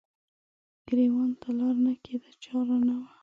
ګریوان ته لار نه کیده چار نه وه